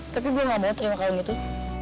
tapi gue gak mau terima kalung itu